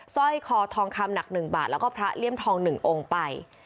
สร้อยคอทองคำหนัก๑บาทแล้วก็พระเลี่ยมทอง๑องค์ไป